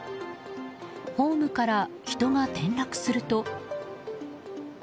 ホームから人が転落すると。